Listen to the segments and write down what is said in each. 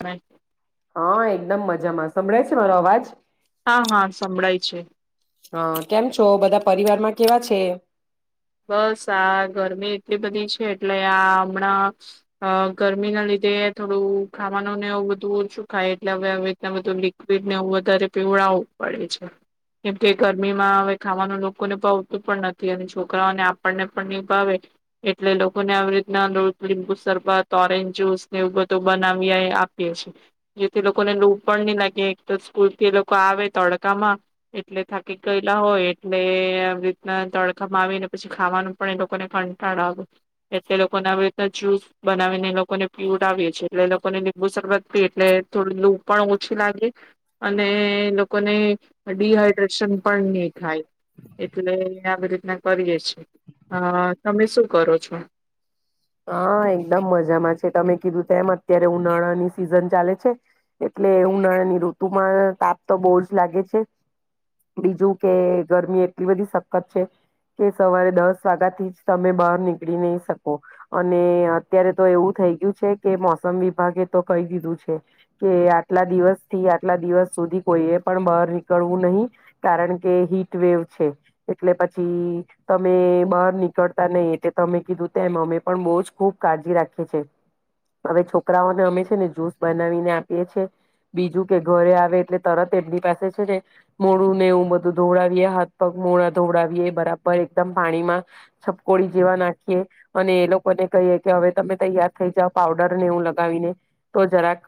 હા હા એકદમ મજ સંભળે છે મારો અવાજ. હા હા સંભળાય છે. હા કેમ છો બધા પરિવાર માં કેવા છે? બસ આ ગરમી એટલી બધી છે એટલે આ હમણાં, ગરમી ના લીધે થોડું ખાવાનું નેું બધું ઓછું ખાય એટલે હવે હવે બધું લિક્વિડને વધારે પીવડાવવું પડે છે, કેમ કે ગરમીમાં હવે ખાવાનું લોકોને પાવતું પણ નથી અને જો છકરાને આપણને પણ નહી ઉભાવે, એટલે લોકોને આવી રીતના લો લીંબુ સરરબત ઓરેન્જ જૂસ ને એવ બધ બનાવી આપીએ, જેથી લોકોને લોૂભ પણ નહી લાગે એક તો સ્કૂલ થી એ લોકો આવે તડકામાં એટલે થાકી ગયેલા હોય, એટલે આવી રીતના તડકા વીને પછી ખાવાનું પણ એ લોકોને કંટાળ આવે, એટલે લોકોને આવી રીતના જ્યુસ બનાવીને એ લોકોને પીુરાવ છે, એટલે લોકોને લીંબુ શરબત પી એટલે થોડ લૂ પણ ઓછી લાગે, અને લોકોને ડીહાઈડ્રેશન પણ નહી થાય, એટલે આવી રીતના કરીએ છીએ, અ તમે શું કરો છો? હા એકદમ મજામાં છે તમે કીધું તેમ અત્યારે ઉનાળાની સિઝન ચાલે છે, એટલે ઉનાળા ની ઋતુમાં તાપ તો બહુ જ લાગે છે, બીજું કે ગરમી એટલી બધી સખત છે, કે સવારે દસ વાગ્યા થી જ તમે બહાર નીકળી નહી શકો. અને અત્યારે તો એવું થઈ ગયું છે કે મોસમ વિભાગે તો કહી દીધું છે, કે આટલા દિવસથી આટલા દિવસ સુધી કોઈએ પણ બહાર નીકળવું નહી, કારણ કે હીટ વવ છે, એટલે પછી તમે બહાર નીકળતા નહી એ તમે કીધું તેમ અમે ખબ કાળજી રાખીએ હવે છોકરાઓને અમે છેને જૂસ બનાવીને આપીએ છેએ, બીજું કે ઘરે આવે એટલે તરત એમની પાસે છે. ને મોડુંને એું બધું ધોડાવીએ હાથ પગ મોડા ધોડાવીએ બરાબર એકદમ પાણીમાં, છપકોડી જેવા નાખીએ, અને એ લોકો કહી કે હવે તમે તૈયાર થઈ જાવ પાવડર ને હું લગાવીને, તો જરાક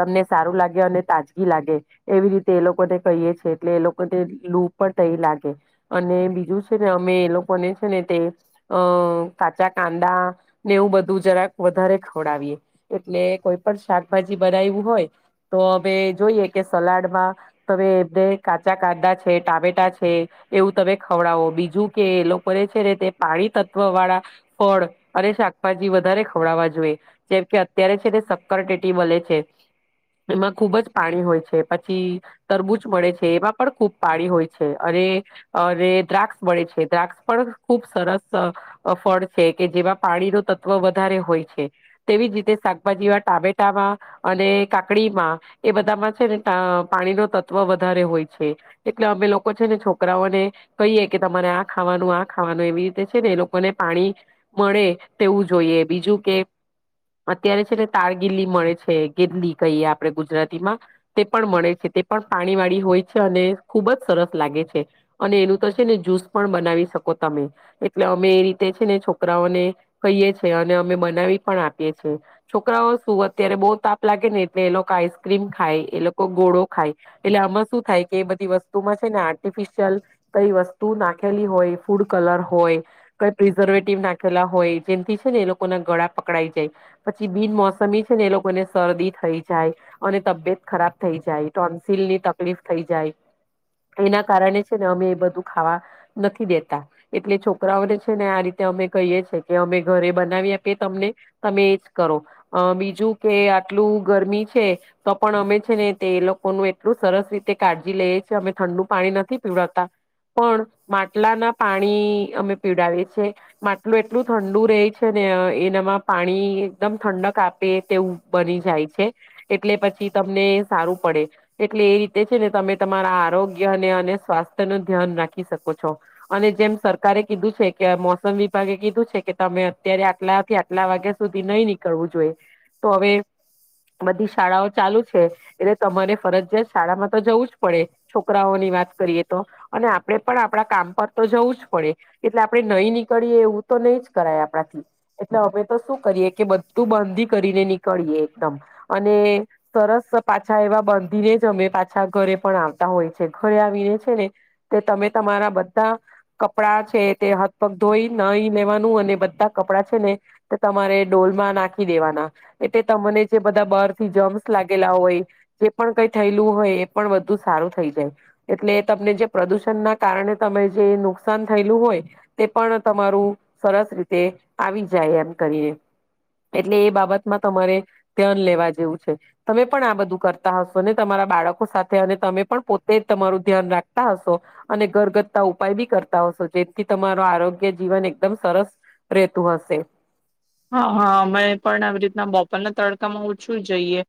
તમને સારું લાગે અને તાજગી લાગે, એવી રીતે એ લોકોને કહીએી એટલે એ લોકોને લૂ પણ થઈ લાગે, અને બીજું છે ને અમે એ લોકોને છે. ને તે, અ કાચા કાંદા ને એવું બધું જરાક વધારે ખવડાવીએ, એટલે કોઈ પણ શાકભાજી બનાવું હોય, તો અવે જોઈએ કે સલાડમાં તમે કાચા કાદા છે ટામેટા છે એવું તમે ખવડાવો બીજું કે લોકોને છે ને તે પાણી તત્વ, વાળા ફળ અને શાકભાજી વધારે ખવડાવવા જોઈએ, જેમ કે અત્યારે છે તેને શક્કર ટેટી મળે છે એમાં ખુબ જ પાણી હોય છે પછી તરબૂચ મળે છે, એમાં પણ ખૂબ પાણી હોય છે અને અને દ્રાક્ષ મળે છે દ્રાક્ષ પણ ખુબ સરસ ફળ છે કે જેમાં પાણી ન તત્વ વધારે હોય છે, તેવી જ રીતે શાકભાજી ટામેટામાં, અને કાકડીમાં એ બધામાં છે, ને પાણી ન તત્વ વધારે હોય છે. એટલે અમે લોકો છે ને છોકરાઓને કહીએ કે તમારે આ ખાવાનું, આ ખાવાનું એવી રીતે છે ને એ લોકોને પાણી મળે, તેવું જોઈએ બીજું કે, અત્યારે છે ને તાર ગીલી મળે છે, ગીલી કહીએ આપણે ગુજરાતીમાં તે પણ મળે છે તે પણ પાણી વાળી હોય છે અને ખુબ જ સરસ લાગે છે, અને એનું તો છે ને જૂસ પણ બનાવી શકો તમે, એટલે અમે એ રીતે છે ને છોકરી છોકરાઓને કહીએ છે અને અમે બનાવી પણ આપીએ, છીએ છોકરાઓ શું અત્યારે બહુ તાપ લાગે ને એટલે એ લોકો આઈસક્રીમ ખાય એ લોકો ગોળો ખાય એટલે આમાં શું થાય કે એ બધી વસ્તુમાં છે ને આર્ટિફિશયલ કઈ વસ્તુ નાખેલી હોય, ફૂડ કલર હોય કઈ પ્રિઝર્વેટિવ નાખ હોય જેમથી છે ને એ લોકો ના ગળા પકડાઈ જાય, પછી બિન મોસમી છે ને એ લોકોને શરદી થઈ જાય, અને તબિયત ખરાબ થઈ જાય ટોન્સીિલની તકલીફ થઈ જાય, એના કારણે છે ને અમે એ બધું ખાવા, નથી દેતા એટલે છોકરાઓને છે ને આ રીતે અમે કહીએ છે કે અમે ઘરે બનાવી આપએ તમને, તમે એજ કરો, બીજું કે આટલું ગરમી છે તો પણ અમે છે ને તે એ લોકોનું એટલું સરસ રીતે કાળજી લઈએ છીએ અમે ઠંડુ પાણી નથી પીવડતા, પણ માટલા ના પાણી અમે પીવડાવએ છે. માટલું એટલું ઠંડુ રહે છે ને એનામાં પાણી એકદમ ઠંડક આપે તેવું બની જાય છે, એટલે પછી તમને સારું પડે, એટલે એ રીતે છે ને તમે તમારા આરોગ્યને અને સ્વાસ્થ્ય નું ધ્યાન રાખી શકો છો, અને જેમ સરકારે કીધું છે કે મોસમ મને કીધું છે કે તમે અત્યારે આટલા થી આટલા વાગ્યા સુધી નહી નીકળવું જોઈએ, તો હવે બધી શાળાઓ ચાલુ છે, એટલે તમારે ફરજયાત શાળામાં તો જવું જ પડે છોકરાઓની વાત કરીએ તો, અને આપડે પણ આપણા કામ પર તો જવું જ પડે એટલે આપડણે નહી ની નીળએ એવું તો નહી જ કરાય આપણાથી, એટલે અમે તો શું કરીએ કે બધું બાંધી કરીને નીકળીએ એકદમ, અને સરસ પાછા એવા બાંધીને જ અમે પાછા ઘરે પણ આવતા હોય છે ઘરે આવીને છે ને, તે તમે તમારા બધા કપડા છે તે હથપગ ધોઈ ન લેવાનું અને બધા કપડાં છે ને, તે તમારે ડોલમાં નાખી દેવાના એટલે તમને જે બધા બર થી જમ્સ લાગેલા હોય, જે પણ કઈ થયેલું હોય એ પણ બધું સારું થઈ જાય, એટલે તમને જે પ્રદુષણ ના કારણે તમે જે નુકસાન થયેલું હોય. તે પણ તમારું સરસ રીતે આવી જાય એમ કરીએ, એટલે એ બાબતમાં તમારે ધ્યાન લેવા જેવું છે, તમે પણ આ બધું કરતા હશો અનેને તમારા બાળકો સાથે અને તમે પણ પોતે તમારું ધ્યાન રાખતા હશો, અને ઘરગથતા ઉપાય બી કરતા હશો, જેથી તમારા આરોગ્ય જીવન એકદમ સરસ રહેતું હશે. હા હા અમે પણ આવી રીતના બપોરના તડકામાં ઓછું જઈએ,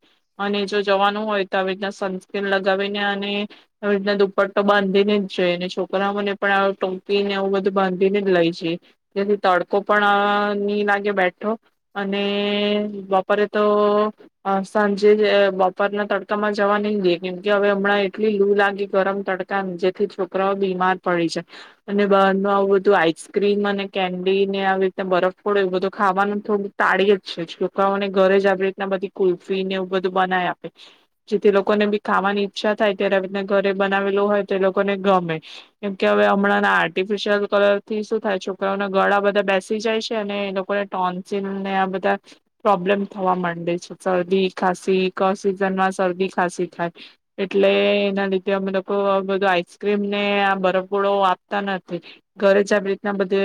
અને જો જવાનું હોય તો આવી રીતના સનસ્ક્રીન લગાવીને અને આવી રીતના મો પર દુપટ્ટો બાંધીને જ જઈએ અને છોકરા ઓને પણ ટોપીને આવવું બધું બાંધીને જ લઈ જઈએ જેથી તડકો પણ આ લાગે બેઠ અને બપોરે તો સાંજે બપોરના તડકામાં જવા નઈ દેએ કેમ કે હવે હમણાં એટલી લૂ લાગી ગરમ તડકા જેથી છોકરાઓ બીમાર પડી જાય અને બહાર ન આવું બધું આઈસક્રીમ અને કેન્ડી ને આવી રીતતે બરફફોડો એવ બધ ખાવાનું થોડું તાળી જ છે છોકરાઓને ઘરે જ આવી રીતના બધી કુલ્ફીને એવું બધું બનાવી આપે જેથી લોકોને બી ખાવાની ઈચ્છા થાય ત્યારે આવી રીતના ઘરે બનાવેલું હોય તો એ લોકોને ગમે કેમ કે હવે હમણાંના આર્ટિફિશિયલ કલર થી શું થાય છોકરાઓના ગળા બધા બેસી જાય છે અને એ લોકોને ટોન્સિલન ને આ બધા પ્રોબ્લેમ થવા માંડે છે. શરદી, ખાસી ક સિઝનમાં શરદી, ખાસી થાય એટલે એના લીધે અમે લોકો બધું આઈસક્રીમને, આ બરફોળો આપતા નથી ઘરે જ આવી રીતના બધે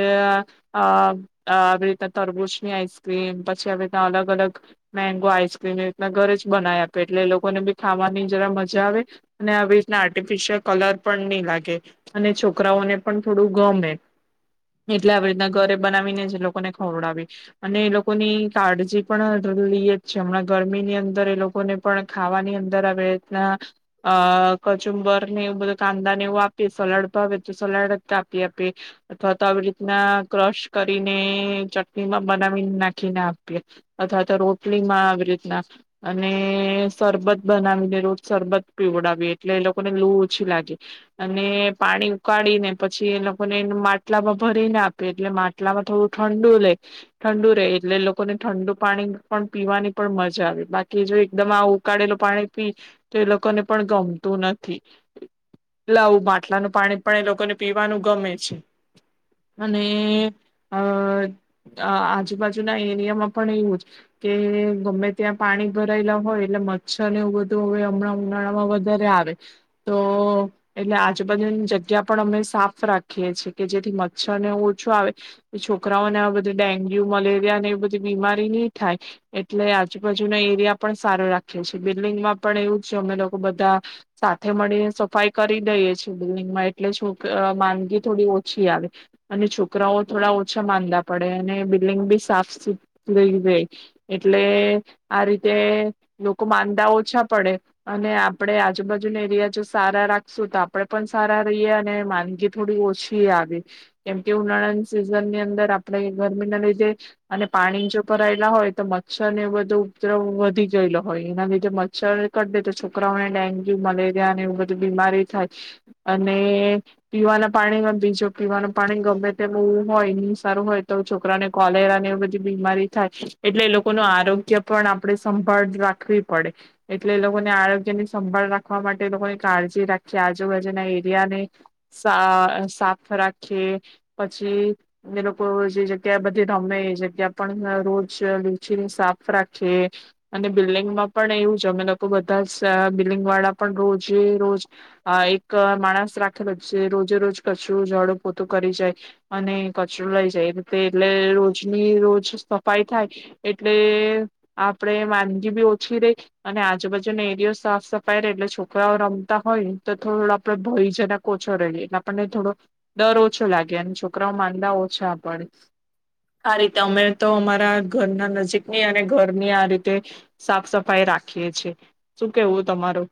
આવી રીતના તરબૂજની આઈસક્રીમ પછી આવી રીતના અલગ અલગ મેગો આઈસ્ક્રીમ એ રીતના ઘરે જ બનાવી આપે એટલે એ લોકોને બી ખાવાની જરા મજા આવે અને આવી રીતના આર્ટિફિશિયલ કલર પણ નહી લાગે અને છોકરાઓને પણ થોડું ગમે એટલે આવી રીતના ઘરે બનાવીને જે લોકોને ખવડાવી અને એ લોકોની કાળજી પણ લઈ જ છે હમણાં ગરમી ની અંદર એ લોકોને પણ ખાવાની અંદર આવે અ કચુંબર નેવું બઘું, કાંદા ને એવું સલાડ ભાવે તો સલાડ કાપી આપે અથવા તો આવી રીતના ક્રશ કરીને ચટણીમાં બનાવીને નાખીને આપીએ અથવા તો રોટલી માં આવી રીતના અને સરરબત બનાવીને રોજ સરરબત પીવડાવીએ એટલે એ લોકોને લૂ ઓછી લાગી અને પાણી ઉકાળી ને પછી એ લોકોને માટલામાં ભરીને આપએ એટલે માટલામાં થોડું ઠંડ ઠં લે ઠંડુ રે એટલે લોકોને ઠંડુ પાણી પણ પીવાની પણ મજા આવે બાકી જો એકદમ આ ઉકાળેલું પાણી પી તો એ લોકોને પણ ગમતું નથી લવું માટલાનું પાણી પણ એ લોકોને પીવાનું ગમે છે અને અ આજુબાજુના એરિયામાં પણ એવું જ કે ગમે ત્યાં પાણી ભરાયેલા હોય એટલે મચ્છર ને એવું બધું હવે હમણાં ઉમનાળામાં વધારે આવે તો એટલે આજુબાજુની જગ્યા પણ અમે સાફ રાખીએ છેીએ કે જેથી મચ્છર ને ઓછો આવે છોકરા છોકરાઓને આ બધા ડેન્ગ્યુ મલેરિયા અને એવી બધી બીમારી નહી થાય એટલે આજુબાજુના એરિયા પણ સારો રાખીએ છીએ બિલ્ડિંગમાં પણ એવું છે અમે લોકો બધા સાથે મળીને સફાઈ કરી દઈએ છીએ બિલ્ડંગમાં એટલે છોક માંદગી થોડી ઓછી આવે અને છોકરાઓ થોડા પડે અને બિલ્ડિંગ બી સાફ સુથ રઈ જાય એટલે આ રીતે લોકો માંદા ઓછા પડે અને આપણે આજુબાજુના એરિયા જો સારા રાખશું તો આપણેે પણ સારા રહીએ અને માંદગી થોડી ઓછી આવી કેમ કે ઉનાળા ની અંદર આપણે ગરમીના લીધે અને પાણી જો ભરાયેલા હોય તો મચ્છર ને એ બધો ઉપદ્રવ વધી ગયેલો હોય એના લીધે મચ્છર કે તો છોકરાઓને ડેન્ગ્યુ મલેરિયા અને એવું બધી બીમારી થાય અને પીવાના પાણીમાં બીજો પીવાનું પાણી ગમે તે બું હોય સારું હોય તો છોકરાને કોલેરા ને એવી બધી બીમારી થાય એટલે એ લોકોનું આરોગ્ય પણ આપણેે સંભાળ રાખવી પડે એટલે એ લોકોને આરોગ્ય ની સંભાળ રાખવા માટે એ લોકોની કાળજી રાખીએ આજુબાજુના એરિયા ને સાફ રાખીએ પછી અમે લોકો જે જગ્યા બધી રમે એ જગ્યા પણ રોજ લીચીને સાફ રાખી અને બિલ્ડિંગમાં પણ એવું જ અમે લોકો બધા બિલ્ડંગ વાળા પણ રોજે રોજ એક માણસ રાખેલો છે રોજે રોજ કશું ઝાડું પોતું કરી જાય અને કચરો લઇ જાય એ રીતે એટલે રોજ ની રોજ સફાઈ થાય એટલે આપડે વાનગી બી ઓછી રહી અને આજુબાજુને એરઓ સાફ સફાઈ ર એટલે છોકરાઓ રમતા હોય ને તો થોડો આપડે ભયજનક ઓછો રહીએ એટલે આપણને થોડો ડર ઓછો લાગે અને છોકરાઓ ઓછા આપ આ રીતે અમે તો અમારા ઘરના નજીકની અને ઘરની આ રીતે સાફ સફાઈ રાખીએ છીએ શું કેવું તમારું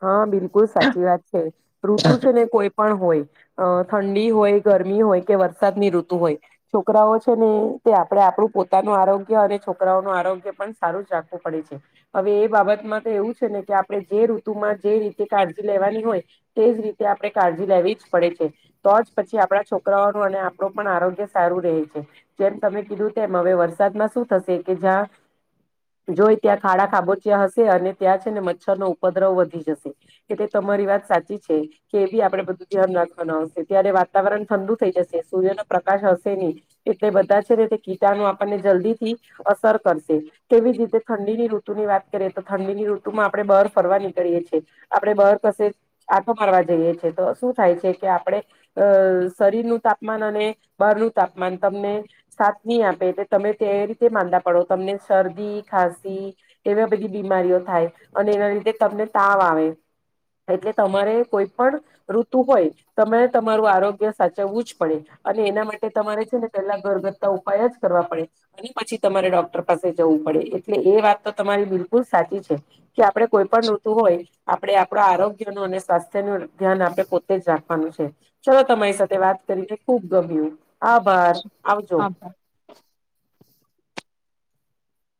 હા બિલકુલ સાચી વાત છે ઋતુ છે ને કોઈ પણ હોય ઠંડી ઠંડી હોય ગરમી હોય કે વરસાદની ઋતુ હોય છોકરાઓ છે ને તે આપણે આપણું પોતાનું આરોગ્ય અને છોકરાઓનું આરોગ્ય પણ સારું જ રાખવું પડે છે હવે એ બાબતમાં તો એવું છે ને કે આપણે જે ઋતુમાં જે રીતે કાળજી લેવાની હોય તેજ રીતે આપણે કાળજી લેવી જ પડે છે તો જ પછી આપણા છોકરાઓનું અને આપણ પણ આરોગ્ય સારું રહે છે જેમ તમે કીધું તેમ હવે વરસાદમાં શું થશે કે જ્યાં જોય ત્યાં ખાડા ખાબોચિયા હશે અને ત્યાં છે ને મચ્છરનો દ્રવ વધી જશે કે તે તમારી વાત સાચી છે કે એ બી આપડે બધું ધ્યાન રાખવાનું હશે ત્યારે વાતાવરણ ઠંડુ થઈ જશે સૂર્ય ન પ્રકાશ હશે નહી એટલે બધા છે ને તે કીટાણો આપણને જલ્દી થી અસર કરશે કેવી જ રીતે ઠંડીની ઋતુ ની વાત કરીએ તો ઠંડીની ઋતુમાં આપણે બરફ ફરવા નીકળીએ છીએ આપડણે બહાર કશે આથો મારવા જઈએ છેએ તો શું થાય છે કે આપડે અ શરીરનું તાપમાન અને બહારનું તાપમાન તમને સાથ નહી આપે એટલે તમે તે રીતે માંદા પડો તમને શરદી ખાસી એવી બધી બીમારીઓ થાય અને એના તમને તાવ આવે એટલે તમારે કોઈ પણ ઋતુ હોય તમે તમારું આરોગ્ય સાચવવું જ પડે અને એના માટે તમારે છે ને પેલા ઘરગથ્તા ઉપાય જ કરવા પડે અને પછી તમારે ડોક્ટર પાસે જવું પડે એટલે એ વાત તો તમારી બિલકુલ સાચી છે કે આપણે કોઈ પણ ઋતું હોય આપડણે આપડ આરોગ્ય ન અને સ્વાસ્થ્ય ન ધ્યાન આપણે પોતે જ રાખવાનું છે ચલો તમારી સાથે વાત કરીને ખુબ ગમ આાભાર આવજો આભાર